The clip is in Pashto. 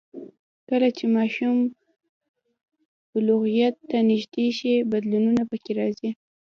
کله چې ماشوم بلوغیت ته نږدې شي، بدلونونه پکې راځي.